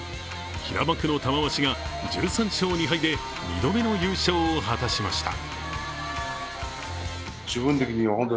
平幕の玉鷲が１３勝２敗で２度目の優勝を果たしました。